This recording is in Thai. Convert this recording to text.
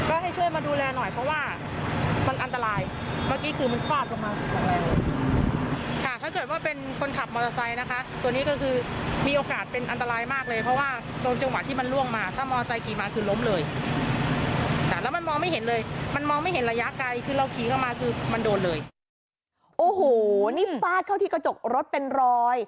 โอ้โหนี่ฟาดเข้าที่กระจกรถเป็นรอย